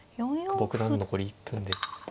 久保九段残り１分です。